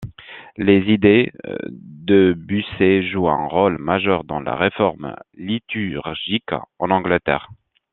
Les idées de Bucer jouent un rôle majeur dans la réforme liturgique en Angleterre.